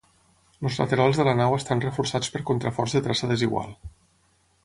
Els laterals de la nau estan reforçats per contraforts de traça desigual.